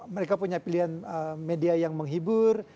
mereka punya pilihan media yang menghibur